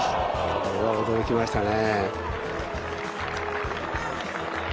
これは驚きましたね。